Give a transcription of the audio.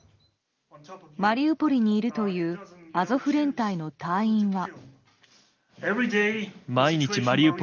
マリウポリにいるというアゾフ連隊の隊員は。